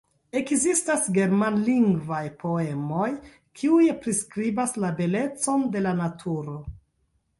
Ekzistas germanlingvaj poemoj, kiuj priskribas la belecon de la naturo.